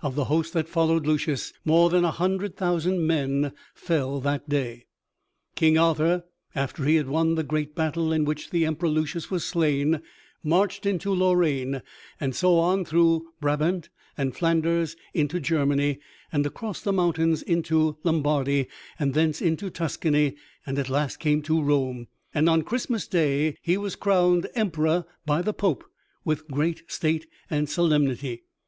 Of the host that followed Lucius, more than a hundred thousand men fell that day. King Arthur, after he had won the great battle in which the Emperor Lucius was slain, marched into Lorraine, and so on through Brabant and Flanders into Germany, and across the mountains into Lombardy, and thence into Tuscany, and at last came to Rome, and on Christmas Day he was crowned emperor by the Pope with great state and solemnity.